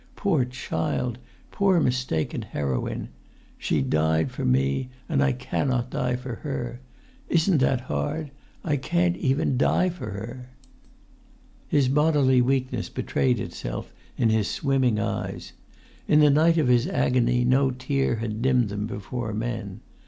. poor child ... poor mistaken heroine! She died for me, and I cannot die for her. Isn't that hard? I can't even die for her!" His bodily weakness betrayed itself in his swimming eyes; in the night of his agony no tear had dimmed them before men.